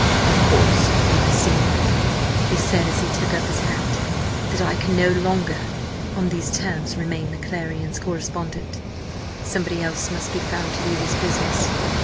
"Of course, you perceive," he said, as he took up his hat, "that I can no longer on these terms remain the Clarion's correspondent. Somebody else must be found to do this business."